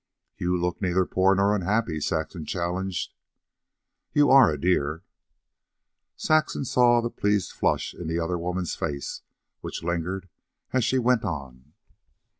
"You look neither poor nor unhappy," Saxon challenged. "You ARE a dear." Saxon saw the pleased flush in the other's face, which lingered as she went on.